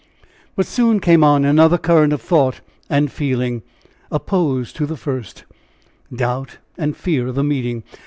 But soon came on another current of thought and feeling opposed to the first doubt and fear of the meeting.